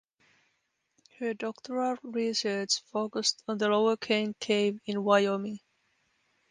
Her doctoral research focused on the Lower Kane Cave in Wyoming.